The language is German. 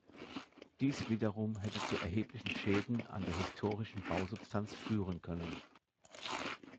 Dies wiederum hätte zu erheblichen Schäden an der historischen Bausubstanz führen können.